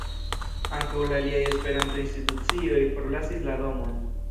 Ankaŭ la aliaj Esperanto-institucioj forlasis la domon.